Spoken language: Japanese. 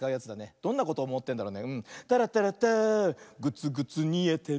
そんなことおもってたんだね。